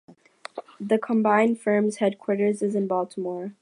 The combined firms' headquarters is in Baltimore.